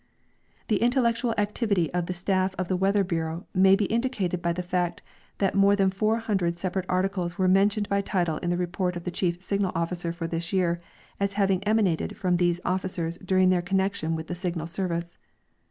The intellectual activity of the staff of the Weather bureau may be indicated by the fact that more than four hundred sepa rate articles were mentioned by title in the report of the Chief Signal officer for this year as having emanated from these offi cials during their connection with the Signal service.